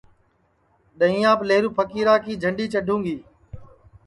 ڈؔیہینٚیاپ لیہرو پھکیرا کی جھنڈؔی چڈوں گی